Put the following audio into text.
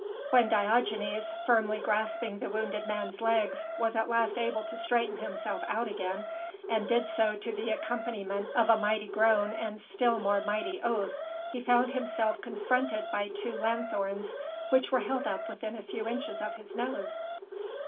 When Diogenes, firmly grasping the wounded man's legs, was at last able to straighten himself out again, and did so to the accompaniment of a mighty groan and still more mighty oath, he found himself confronted by two lanthorns which were held up within a few inches of his nose.